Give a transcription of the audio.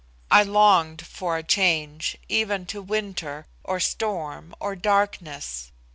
I longed for a change, even to winter, or storm, or darkness.